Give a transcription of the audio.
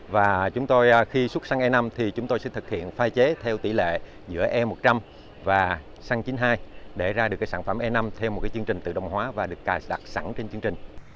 và khi xuất xăng e năm thì chúng tôi sẽ thực hiện pha chế theo tỷ lệ giữa e một trăm linh và xăng chín mươi hai để ra được sản phẩm e năm theo một chương trình tự động hóa và được đặt sẵn trên chương trình